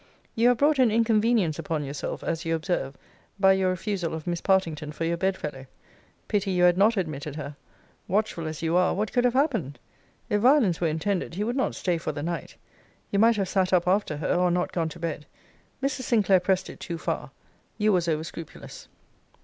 You have brought an inconvenience upon yourself, as you observe, by your refusal of Miss Partington for your bedfellow. Pity you had not admitted her! watchful as you are, what could have happened? If violence were intended, he would not stay for the night. You might have sat up after her, or not gone to bed. Mrs. Sinclair pressed it too far. You was over scrupulous.